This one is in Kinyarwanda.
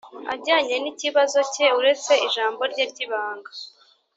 ajyanye n ikibazo cye uretse ijambo rye ry ibanga